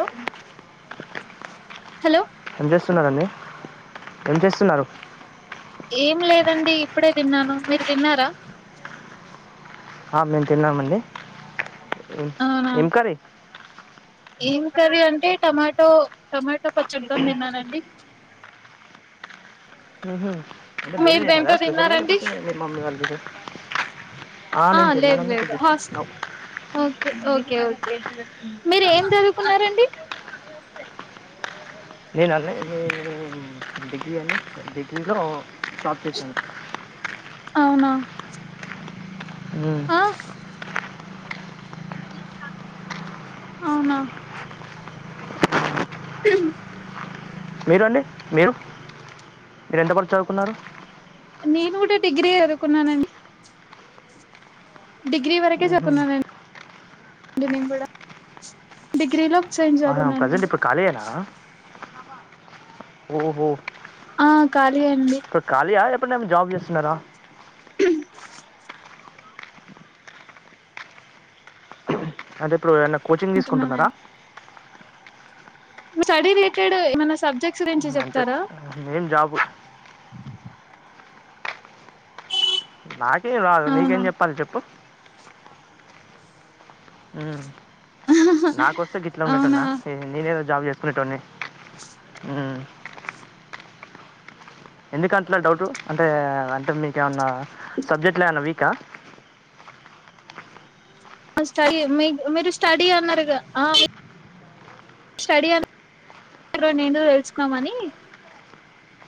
Hello hello ఏం చేస్తున్నరండీ ఏం చేస్తున్నారు ఏం లేదండి ఇప్పుడే తిన్నాను మీరు తిన్నారా ఆ మేము తిన్నామండి అవునా ఏం కారి ఏం కర్రీ అంటే టమాటో టమాటో పచ్చడిని తిన్నానండి అంటే మీరే మీరు చేశారా దేంతో స్పెషల్గా తిన్నారండి లేపోతే మీ మమ్మీ వాళ్ళకి ఆ నేను లేదు తిన్నానన్నడి లేదు హాస్ తినం ఓకే ఓకే మీరు ఏం చదువుకున్నారండి. నేనా అండి డిగ్రీ అని డిగ్రీ లో స్త్ సంఖ [unintelligible] అవునా హ్మ్ ఆ అవునా [unintelligible] మీరు అండి మీరు మీరు ఎంతవరకు చదువుకున్నారు. నేను కూడా డిగ్రీ చదువుకున్నానండి. డిగ్రీ వరకే చకున్నానండి నేను కూడా డిగ్రీలో సైన్స్ ఆ ప్రెసెంట్ చదువుకున్నానండి ఇప్పుడు ఖాళీ ఎన ఓహో ఆ ఖాళీ అండి ఇప్పుడు ఖాళీ ఆ ఎప్పుడు ఏమి జాబ్ చేస్తున్నారా. అంటే ఇప్పుడు ఏమైన్న కోచింగ్ తీసుకుంటున్నారా ఉంటున్నానండి స్టడీ రిలేటెడ్ ఏమన్నా సబ్జెక్ట్ అంతే మెయిన్ జాబ్ నాకేం రాదు నీకేం అవునా చెప్పాలి చెప్పు మ్మ్. నాకొస్తే గిట్లా అవునా ఉండేటోన్న నేనేద జాబ్ చేసుకునేటోన్నే ఎందుకట్ల డౌట్ అంటే అంటే మీకు ఏమన్నా సబ్జెక్ట్లో ఏమైన్నా వీకా స్టడీ మీ మీరు స్టడీ అన్నారు. స్టడీ అ ఎందో నేను తెలుసుకుదమని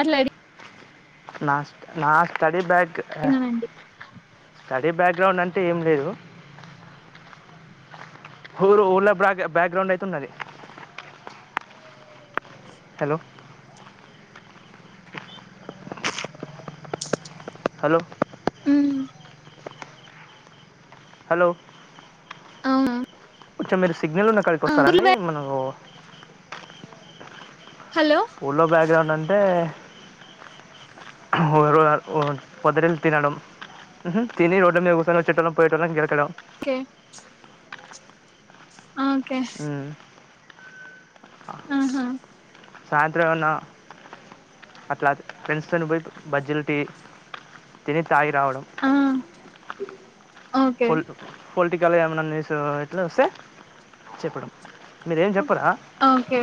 అట్లాది నా నా స్టడీ బ్యా నండి అదే బ్యాక్గ్రౌండ్ అంటే ఏం లేదు. ఊరు ఊళ్ళ బ బ్యాక్గ్రౌండ్ అయితే ఉన్నది. హలో హలో ఉమ్ హలో అవునా కొంచెం మీరు సిగ్నల్ ఉన్న కడికి వస్తార అండి ఆ మనం హలో పూల్లో బ్యాక్గ్రౌండ్ అంటే పొద్దున వెళ్లి తినడం ఉహు తిని రోడ్ల మీద కుసోని వచ్చేటోళ్లను పోయేటోళ్లని గెలకడం కే ఆ ఓకే మ్మ్. ఉహు సాయంత్రం ఏమన్నా అట్లా ప్రెన్స్టన్ బట్ బజిల్టీ టీ తాగి రావడం ఆ ఓకే పొల్ పొల్ టికల్ గ ఏమైన్నా న్యూస్ ఇట్లా వసే చెప్పడం మీర్ ఏం జెప్పరా ఓకే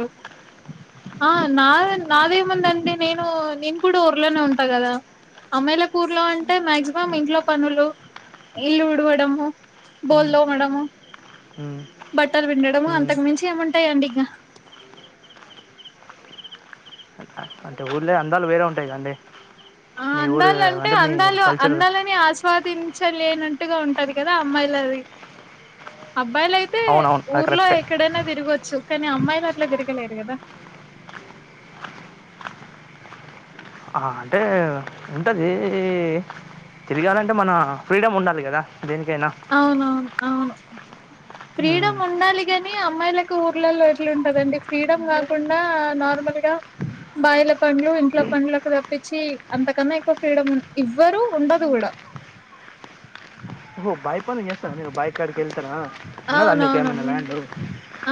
ఆ నాద్ నాదేముం దండి నేను నేన్ కూడా ఊర్లనే ఉంటా కదా అమ్మయిలకు ఊర్లో అంటే మ్యగ్ జిమం ఇంట్లో పనులు ఇల్ ఉడవడము మ్మ్, బోల్లు తోవడము మ్మ్, బట్టల్ పిండడము మ్మ్. అంతక్ మించి ఏముంటాయండి ఇంగ టే ఊర్ ల్యా అందల్ వేరే ఉంటాయి కదండి ఆ మీ ఊరు అందలు అంటే మీ అందాలు కల్చర్ అందాలని ఆస్వాదించి చర్ లేనట్టుగా ఉంటది కదా అమ్మాయిలవి అబ్బాలయితే అవునవును అది ఊర్లో కరెక్టే ఎక్కడైనా తిరగొచ్చు కాని అమ్మాయిలట్లా దిరగలేరు కదా ఆహా అంటే ఉంటది ఈ తిర్ గలంటే మన ఫ్రీడమ్ ఉండాలి కదా దేనికైనా అవునవున్ అవును మ్మ్. ఫ్రీడమ్ ఉండాలి గని ఆ అమ్మాయిలకు ఊర్లలో ఎట్లుంటదండి ఫ్రీడమ్ కాకుండా నార్ మల్ గా బాయిల పనుల్ కు ఇంట్లో పండ్లక్ తపిచి అంతకన్నా ఎక్కు ఫ్రీడమ్ హ్మ్ ఇవ్వరు ఉండదు గుడా ఓహో బయి పన్లు జే ఎల్ తర మీరు బాయి కాడ్ క్ ఎల్ తారా ఉన్నదాండీ కేమైనా అవునవునమ్మి ల్యాండు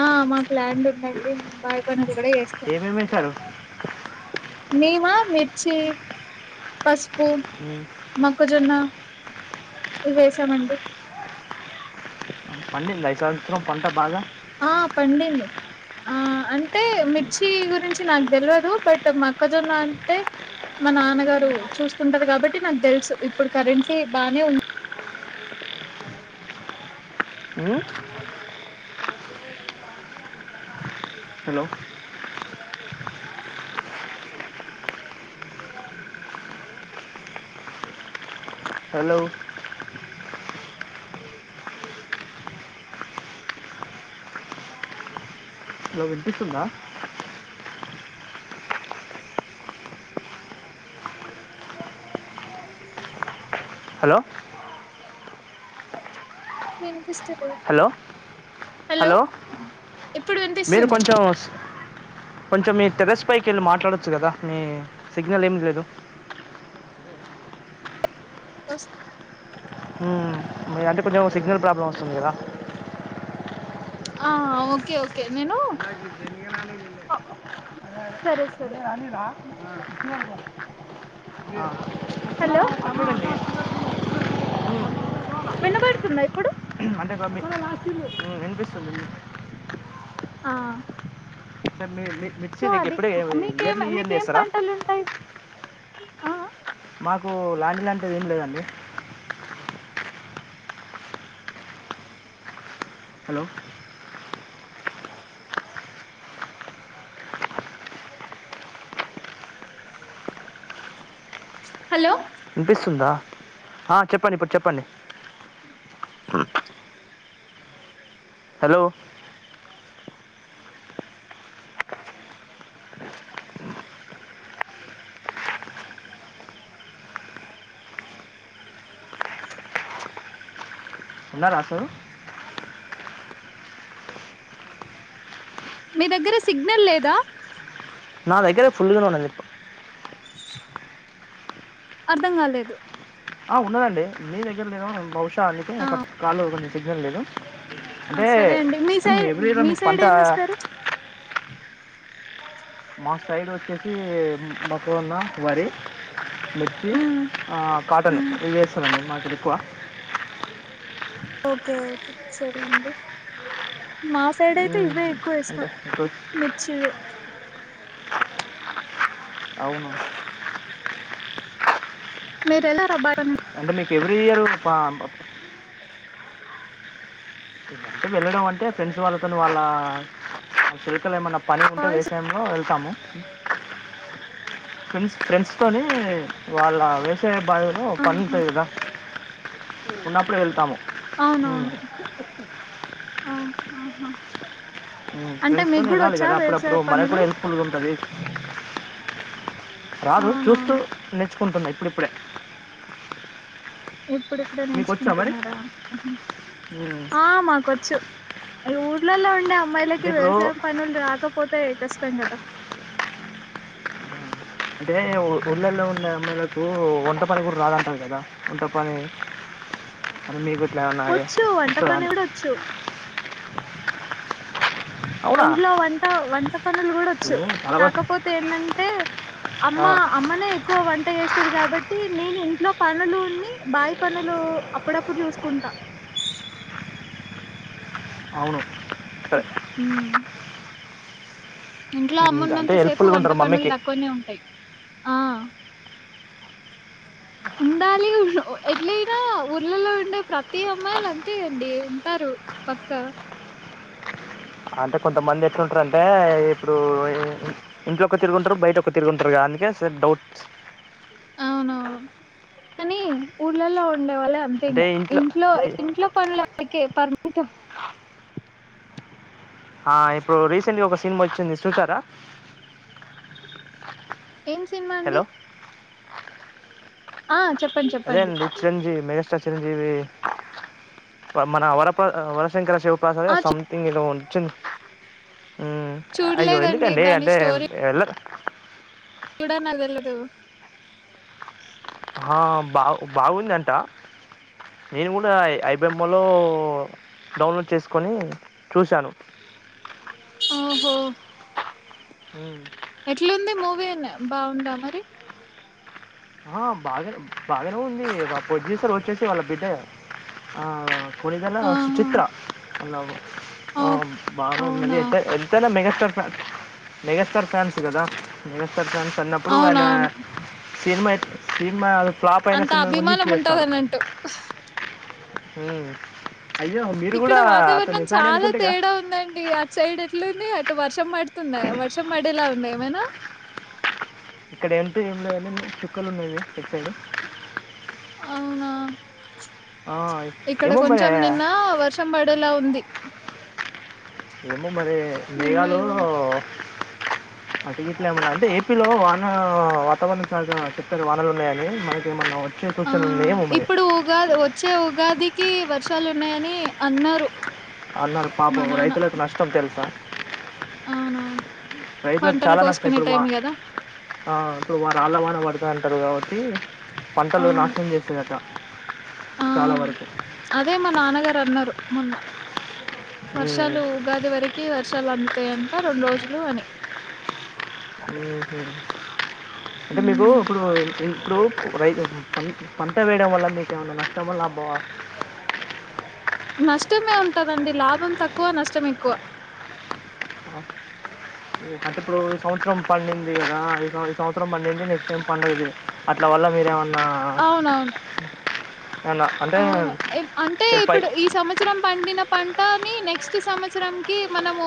ఆ మాకు ల్యాండుందండి ఉమ్ బాయి పను ల్ కుడ ఎస్తం ఏమేమి వేశారు [inaudible] మేమా మిచ్చి పస్ పు మొక్కజొన్న ఇవేసామండి పండిందా ఈ సన్ త్రం [unintelligible] పంట బాగా ఆ పండింది ఆ అంటే మిచ్చి గురించి నాక్ దేల్ వదు బటు మక్కజొన్న అంటే మా నాన్నగారు చూస్తుంటార్ కాబట్టి నాక్ దేల్ స్ ఇప్పుడు కరెంట్లీ బానే ఉం మ్మ్? హలో హలో హలో విపిస్తుందా హలో ఇన్ పిస్ చదో హలో [unintelligible] హలో ఇప్పుడు ఇన్ పిస్తుంది కొంచం మీ టెరస్ పైకి ఎళ్ళి మాట్లాడొచ్చు కదా మీ సిగ్ నల్ ఏమ్ లేదు కస్ [unintelligible] హ్మ్ మీ అంటే కొంచం సిగ్ నల్ ప్రాబ్లం వస్తుంది కదా ఆ ఓకే ఓకే నేను అ సరే స్ కానీ రా ఆ హలో [unintelligible] వినబడ్ తుందా ఇప్పుడు అంటే గోపి హ్మ్ ఇన్ పిస్తుంది ఆ మీ మీ- మిర్చి సో రేట్ అది ఎప్పుడే ఇయర్లీ మీకె ఇయర్లీ మీకేం వేస్తారా పంటలుంటాయ్? ఆ ఆ మాకు ల్యాండు ల్యాంటిది ఏం లేదండి హలో హలో ఇన్ పిస్తుందా ఆ చెప్పండి ఇప్పుడ్ చెప్పండి హలో ఉనర అసల్ మీ దగ్గర సిగ్ నల్ లేదా నా దగ్గర ఫుల్ గనే ఉన్నదిలే ప్ అర్ దం గలేదు ఆ ఉన్నదండి మీ దగ్గర లేదేమో బవ్ శా అందుకే ఆ కట్ కాల్ లో ఓపెన్ జెయి సిగ్ నల్ లేదు అంటే సరే అండి మీ హ్ సైడ్ ఎవ్ రీలో మీ సైడ్ పంట ఆ ఏమిస్తారు మా సైడ్ వచ్చేసి బక్క ఉన్న వరి మెర్చి కాటన్ ఇ చేేస్తుందండి మాకుది ఎక్కువ ఓకే ఓకే సరే అండి. మా సైడయితే ఉమ్, ఇవే అంటే ఎక్కువేస్తాం. ఇప్పుడు- మిర్చివే అవును మీరెళ్ళార [unintelligible] అంటే మీకు ఎవ్రీ ఇయరు అే వెళ్ళడం అంటే ఫ్రెండ్స్ వాళ్ళతో వాళ్ళ చరికలు ఏమన్నా పని ఉంటే బాయ్స్ వేసాంలో వెళ్తాము ఫ్రెండ్స్ ఫ్రెండ్స్ తని వాళ్ళ వే వచ్చే బాధలో పని ఆహా, ఉంటయి కదా ఉన్నప్పుడే వెళ్తాము హ అవునవును ఆ, ఆహా. అంటే మీకు ్రెల్సుకొని కూడా వెళ్ళాలి వచ్చా కదా వ్యవసాయ అప్పుడప్పుడు మ పనులు కూడా హెల్ప్ఫుల్గా ఉంటుంది రాదు చూస్తూ అవునవును నేర్చుకుంటుంది ఇప్పుడిప్పుడే ఇప్పుడిప్పుడే మీకు వచ్చా మరి నేర్చుకుంటున్నారా! అహ ఉమ్, ఆ మాకొచ్చు. ఊర్లల్లో ఉండే అంటే అమ్మాయిలకి ఇప్పుడు వ్యవసాయం పనులు రాకపోతే ఎ కష్టం కదా అంటే ఊళ్ళల్లో ఉండే అమ్మాయిలకు వంట పని కూడా రాదంటారు కదా వంట పని అని మీకు ఇట్లా ఉన్నాయి వచ్చు వంట పని ఇస్తుదన్ని కూడా వచ్చు అవునా ఇంట్లో వంట వంట పనులు గూడొచ్చు. ఏమో, చాలా వరకు కాకపోతే ఏందంటే! అమ్మ ఆ, అమ్మనే ఎక్కువ వం వంట చేస్తది కాబట్టి నేను ఇంట్లో పనులుని, బావి పనులు అప్పుడప్పుడు చూసుకుంటా. అవును సరే హ్మ్మ్ ఇంట్లో ఉమ్, అంటే అమ్మున్నంత సేపు హెల్ప్ఫుల్గా వంట ఉంటారు పనులు మమ్మీకి తక్కువనే ఉంటయ్. ఆ ఆ ఎట్లైనా ఊర్ళలో ఉండే ప్రతి అమ్మాయిలంతే అండి ఉంటారు. క అంటే కొంతమంది ఎట్లుంటారు అంటే ఇప్పుడు ఇంట్లో ఒ ఒక తిరుగుంటారు బయట ఒక తిరుగుంటారు కా కే స ౌట్స్ అవునవును కనీ ఊర్లలో ఉండేవాళ్ళే అంతే ఇంగ అంటే ఇంట్లో ఇ- ఇంట్లో పనులకే పర్మితం. ఆ ఇప్పుడు రీసెంట్ గా ఒక సినిన్ వచ్చింది సూతారా ఏం సినిమా హలో అండి? ఆ చెప్పండి అదే చెప్పండి అండి చిరంజీవి మెగాస్టార్ చిరంజీవి మన వరప వర శివశంకర శివప్రసాద్ ఆ సమ్ థింగ్ ఏదో వచ్చింది మ్మ్. అయ్యో చూడలేదండి ఎందుకండి అంటే వెల్ల చూడన్ [unintelligible] ఎళ్లదు బా బాగుందింట నేను కూడా ఐబఎమ్లో డౌన్లోడ్ చేసుకొని చూశాను ఓహో! మ్మ్. ఎట్లుంది మూవీ బావుందా మరి? బాగానే బాగానే ఉంది ప్రొడ్యూసర్ వచ్చేసి వాళ్ళ బిడ్డే ఆ ఆ కొణిదెల ఆహా సుచిత్ర న ఓక్ బాగుంది అవునా ఎంత ఎంతైనా మెగాస్టార్ స్టార్ మెగాస్టార్ ఫ్యాన్స్ కదా మెగాస్టార్ ఫ్యాన్స్ అన్నప్పుడు ఆయన అవునవును సినిమాయి సినిమా అది ఫ్లాప్ అయిన అంత సినిమా ను హిట్ అభిమానం ఉంటది చేస్తారు అన్నట్టు ఉమ్ అయ్యో మీరు ఇక్కడ కూడా వాతావరణం అతని ఫ్యాన్ చాలా అనుకుంటేగా తేడా ఉందండి అటు సైడ్ ఎట్లుంది అటు వర్షం పడుతుందా వర్షం పడేలా ఉందా ఏమైనా ఇక్కడ అంటు ఏం లేదండి చుక్కలు ఉన్నావి ఇటు సైడు అవునా ఆ, ఇక్కడ ఏమో మరి కొంచెం నిన్న వర్షం బడే లా ఉంది ఏమో మరి నిన్న మేఘాలూ ఇవా అటు గిట్లా ఏమన్నా అంటే ఏపీలో వాన వాతావరణ శాఖ చెప్తారు వానలు ఉన్నాయని మనకు ఏమన్నా ఆ ఇప్పుడు ఉగాది వచ్చే ఉగాదికి వర్షాలు ఉన్నాయని అన్నారు అన్నారు మా పాపం నాన్న రైతులకు నష్టం తెలుసా అవునవును రైతులకు పంటలు చాలా నష్టం కోసుకునే ఇప్పుడు మా టైం కదా ఆ ఇప్పుడు రాళ్ల వాన పడుతదంటారు కాబట్టి పంటలు అవును నాశనం చేస్తదట ఆ అదే మా నాన్నగారు అన్నారు మొన్న ఉమ్, వర్షాలు ఉగాది వరకి వర్షాలు అందుతాయంట రెండు రోజులు అని ఉమ్ హూ అంటే మీకు ఇప్పుడు ఇప్పుడు రైతు ప పంట వేయడం వల్ల మీకు ఏమైనా నష్టమా? లాభమా? నష్టమే ఉంటదండి లాభం తక్కువ నష్టం ఎక్కువ అంటే ఇప్పుడు ఈ సంవత్సరం పండింది గదా ఈ ఈ సంవత్సరం పండింది నెక్స్ట్ టైం పండదు అట్ల వల్ల మీరేమన్నా ఆ ఆ అవునవును అవును అంటే చెప్పాయి ఇప్పుడు ఈ సంవత్సరం పండిన పంటని నెక్స్ట్ సంవత్సరంకి మనము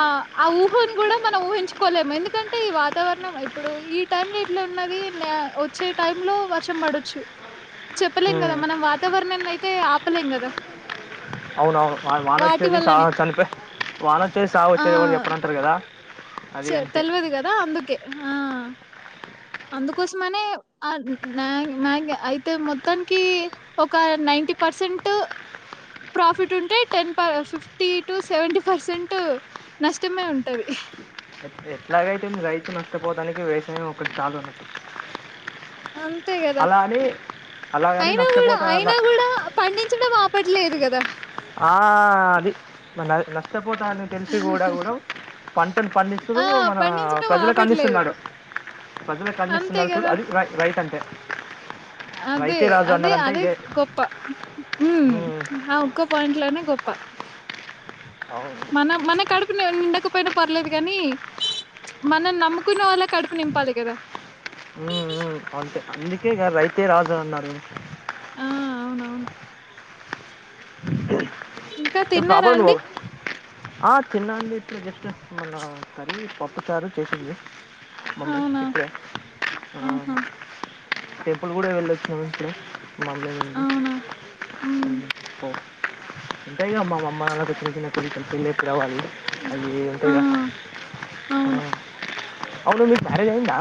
ఆ ఆ ఊహ ని గూడా మనం ఊహి ఉహించుకోలేము ఎందుకంటే ఈ వాతావరణం ఇప్పుడు ఈ టైం లో ఇట్లా ఉన్నది నె వచ్చే టైం లో వర్షం పడొచ్చు చెప్పలేం గదా మనం వాతావరణం అయితే ఆపలేం గదా అవునవును వా వాన వచ్చేది సా చనిపోయి వాన వచ్చేది సావు ఆ వచ్చేది ఎవరు చెప్పరాంటారు కదా అది చె అంతే తెలువదు గదా అందుకే ఆ అందుకోసమనే ఆ మ మ్యా అయితే మొత్తానికి ఒక నైన్ ఫిఫ్టీ పర్సెంట్ ప్రాఫిట్ ఉంటే టెన్ ప ఫిఫ్టీ టు సెవెంటీ పర్సెంట్ నష్టమే ఉంటది ఎట్లాగైతే రైతు నష్టపోవడానికి వ్యవసాయం ఒకటి చాలు అన్నట్టు అంతే గదా అలా అని అలా అని అయినా గూడా నష్టపోతా అయినా న- గూడా పండించడం ఆపం ఆపట్లేదు గదా ఆ అది నష్టపోత అని తెలిసి గూడా గూడా పంటను పండిస్తూ ఆ మన పండించడం ప్రజలకు ఆపట్లేదు అందిస్తున్నాడు ప్రజలకు అంతే అందిస్తున్నారు చూడు కదా అది రైతు అంటే అదే రైతే రాజు అదే అన్నారంటే అదే ఇదే గొప్ప ఉమ్ అవ్ గొప్ పాయింట్ లోనే గొప్ప అవును. మన మన కడుపు నిండకపోయినా పర్లేదు గానీ మనం నమ్ముకున్న వాళ్ళ కడుపు నింపాలి గదా ఉమ్ ఉమ్ అంతే అందుకే గా రైతే రాజు అన్నారు ఆ అవునవును ఇంకా ఏ తిన్నారా ప్రాపర్ నువు అండి ఆ తిన్నండి ఇప్పుడే జస్ట్ మన కర్రీ పప్పు చారు చేసింది మమ్మీ అవునా ఇప్పుడే ఆ ఆహా టెంపుల్ గూడా వెళ్ళొచ్చినం ఇప్పుడే మమ్మి నేను అవునా ఉమ్ ఉంటాయి గా మాఅమ్మ నాన్నకు చిన్న చిన్న కోరికలు పెళ్ళేప్పుడవ్వాలి అది ఆ అంతేగా అవును అవును మీకు మ్యారేజ్ అయిందా